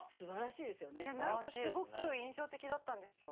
いや何かすごく印象的だったんですよ。